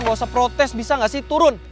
nggak usah protes bisa nggak sih turun